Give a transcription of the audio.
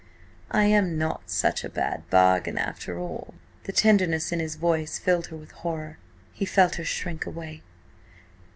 I am not such a bad bargain after all." The tenderness in his voice filled her with horror. He felt her shrink away.